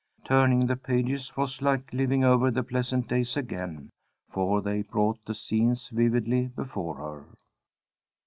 Turning the pages was like living over the pleasant days again, for they brought the scenes vividly before her.